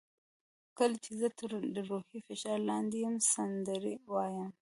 کله چې زه تر روحي فشار لاندې یم سندرې وایم.